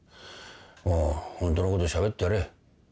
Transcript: もうホントのことしゃべってやれ。